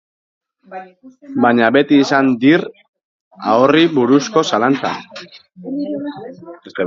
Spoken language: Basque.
Baina beti izan dir ahorri buruzko zalantzak.